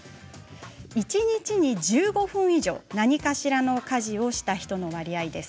一日に１５分以上、何かしらの家事をした人の割合です。